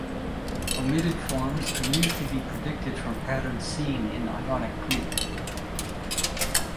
Omitted forms can usually be predicted from patterns seen in Ionic Greek.